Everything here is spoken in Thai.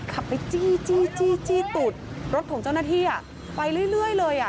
ขับไปจี้จี้ตุดรถของเจ้าหน้าที่ไปเรื่อยเลยอ่ะ